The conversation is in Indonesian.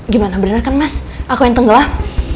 gimana bener kan mas aku yang tenggelam